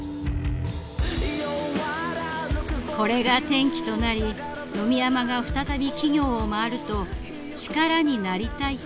これが転機となり野見山が再び企業を回ると「力になりたい」という返事。